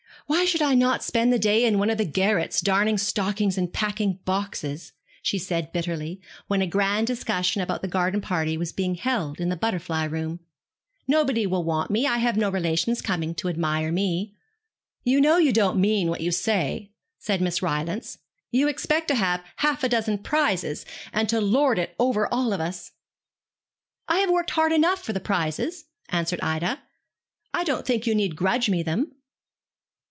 'Why should I not spend the day in one of the garrets, darning stockings and packing boxes?' she said bitterly, when a grand discussion about the garden party was being held in the butterfly room; 'nobody will want me. I have no relations coming to admire me.' 'You know you don't mean what you say,' said Miss Rylance. 'You expect to have half a dozen prizes, and to lord it over all of us.' 'I have worked hard enough for the prizes,' answered Ida. 'I don't think you need grudge me them.'